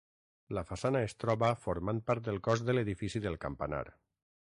La façana es troba formant part del cos de l'edifici del campanar.